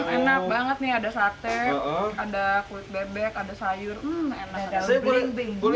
enak banget nih ada sate ada kulit bebek ada sayur enak dalam